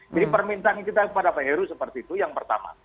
jadi permintaan kita kepada pak eruh seperti itu yang pertama